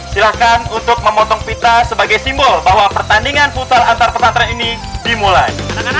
silakan untuk memotong pita sebagai simbol bahwa pertandingan futsal antar pesantren ini dimulai